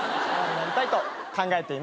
たいと考えています。